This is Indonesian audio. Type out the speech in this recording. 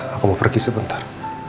aku mau pergi sebentar